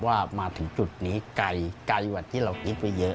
ว่ามาถึงจุดนี้ไกลกว่าที่เราคิดไว้เยอะ